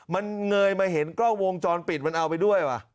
มันเงยมาเห็นกล้องวงจรปิดมันเอาไปด้วยว่ะ